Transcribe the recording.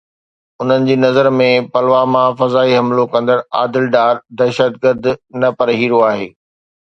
انهن جي نظر ۾ پلواما فدائي حملو ڪندڙ عادل ڊار دهشتگرد نه پر هيرو آهي.